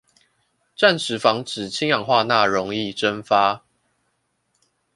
暫時防止氫氧化鈉溶液蒸發